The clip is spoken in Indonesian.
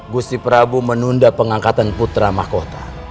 gusti prabu menunda pengangkatan putra mahkota